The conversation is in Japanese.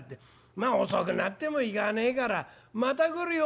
まあ遅くなってもいかねえから『また来るよ。